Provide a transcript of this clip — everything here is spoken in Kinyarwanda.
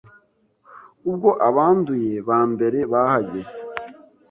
ubwo abanduye ba mbere bahageze